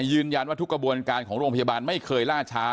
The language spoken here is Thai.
ยืนยันว่าทุกกระบวนการของโรงพยาบาลไม่เคยล่าช้า